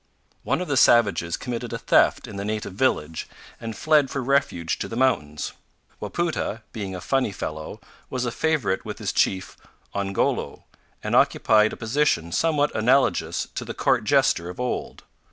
One of the savages committed a theft in the native village, and fled for refuge to the mountains. Wapoota, being a funny fellow, was a favourite with his chief Ongoloo, and occupied a position somewhat analogous to the court jester of old.